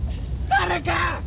誰か！